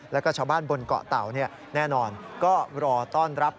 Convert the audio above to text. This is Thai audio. แล้วก็ชาวบ้านบนเกาะเต่าแน่นอนก็รอต้อนรับ